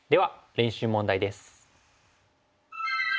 練習問題です。